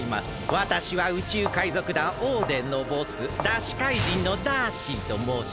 わたしは宇宙海賊団オーデンのボスだしかいじんのダーシーともうします。